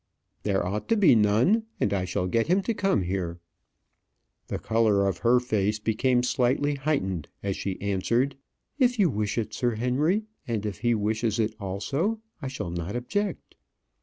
"There ought to be none; and I shall get him to come here." The colour of her face became slightly heightened as she answered: "If you wish it, Sir Henry, and he wishes it also, I shall not object."